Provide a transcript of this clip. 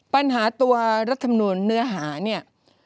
ปัญหาตัวรัฐมนูลเนื้อหาเนี่ย